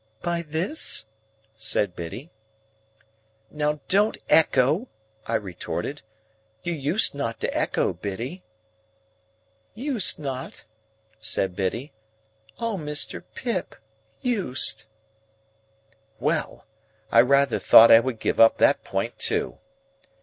"By this?" said Biddy. "Now, don't echo," I retorted. "You used not to echo, Biddy." "Used not!" said Biddy. "O Mr. Pip! Used!" Well! I rather thought I would give up that point too.